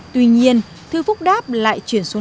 tuy nhiên thư phúc đáp lại chuyển xuống